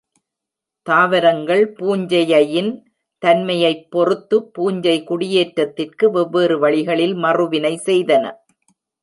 தாவரங்கள் பூஞ்சையையின் தன்மையை பொறுத்து பூஞ்சை குடியேற்றத்திற்கு வெவ்வேறு வழிகளில் மறுவினை செய்தன.